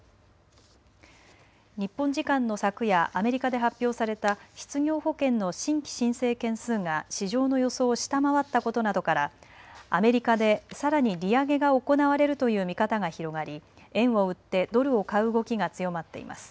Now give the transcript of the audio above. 日本時間の昨夜、アメリカで発表された失業保険の新規申請件数が市場の予想を下回ったことなどからアメリカでさらに利上げが行われるという見方が広がり円を売ってドルを買う動きが強まっています。